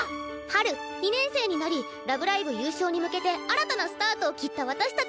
春２年生になり「ラブライブ！」優勝に向けて新たなスタートを切った私たち５人！